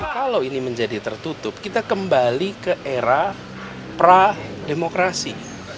kalau ini menjadi tertutup kita kembali ke era pra demokrasi